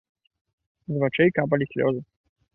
З вачэй капалі слёзы.